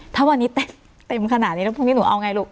ถ้าวันนี้เต็มขนาดนี้แล้วพรุ่งนี้หนูเอาไงลูก